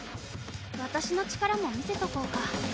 私の力も見せとこうか。